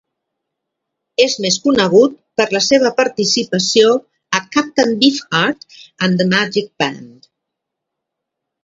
És més conegut per la seva participació a Captain Beefheart and The Magic Band.